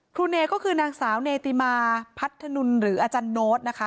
เนก็คือนางสาวเนติมาพัฒนุนหรืออาจารย์โน้ตนะคะ